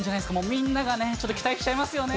みんなが期待しちゃいますよね。